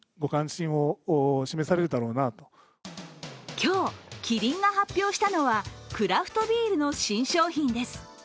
今日、キリンが発表したのはクラフトビールの新商品です。